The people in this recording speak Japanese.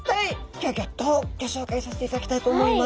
ギョギョッとギョ紹介させていただきたいと思います。